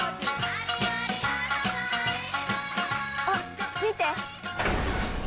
あっ見て！